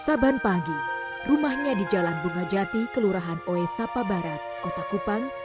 saban pagi rumahnya di jalan bunga jati kelurahan oe sapa barat kota kupang